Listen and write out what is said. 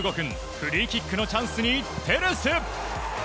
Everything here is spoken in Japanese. フリーキックのチャンスにテレス！